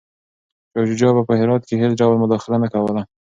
شاه شجاع به په هرات کي هیڅ ډول مداخله نه کوي.